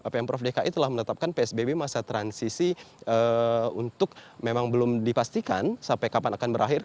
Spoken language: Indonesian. pemprov dki telah menetapkan psbb masa transisi untuk memang belum dipastikan sampai kapan akan berakhir